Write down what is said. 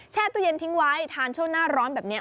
ตู้เย็นทิ้งไว้ทานช่วงหน้าร้อนแบบนี้